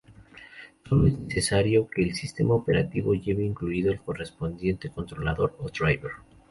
Sólo es necesario que el sistema operativo lleve incluido el correspondiente controlador o "driver".